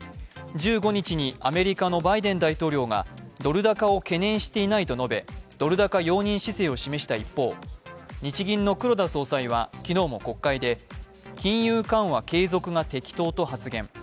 １５日にアメリカのバイデン大統領が、ドル高を懸念していないと述べ、ドル高容認姿勢を示した一方日銀の黒田総裁は、昨日も国会で金融緩和継続が適当と発言。